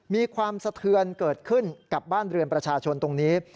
มีความสะเทือนเกิดขึ้นกับบ้านเรือนประชาชนตรงนี้